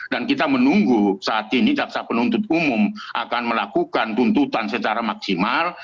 dan kita menunggu saat ini jaksa penuntut umum akan melakukan tuntutan secara maksimal